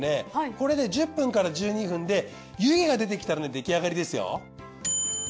これで１０分から１２分で湯気が出てきたらね出来上がりですよ。